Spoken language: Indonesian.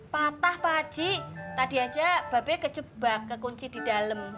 patah pak cik tadi aja mbak be kejebak kekunci di dalem